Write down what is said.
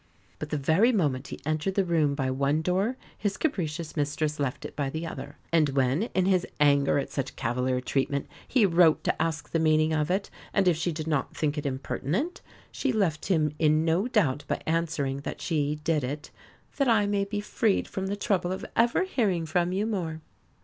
But the very moment he entered the room by one door his capricious mistress left it by the other; and when, in his anger at such cavalier treatment, he wrote to ask the meaning of it, and if she did not think it impertinent, she left him in no doubt by answering that she did it "that I may be freed from the trouble of ever hearing from you more!"